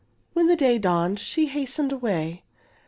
When the day dawned she hastened away.